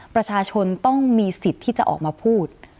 ประชาชนต้องมีสิทธิ์ที่จะออกมาพูด